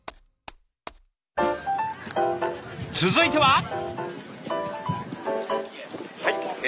続いては。